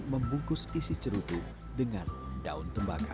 membungkus isi cerutu dengan daun tembakau